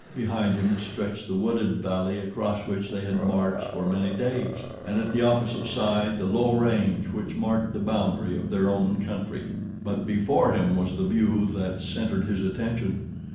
Behind him stretched the wooded valley across which they had marched for many days, and at the opposite side the low range which marked the boundary of their own country. But before him was the view that centered his attention.